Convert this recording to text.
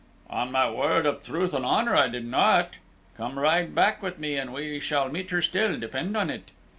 "On my word of truth and honor, I did not. Come, ride back with me, and we shall meet her still, depend on it.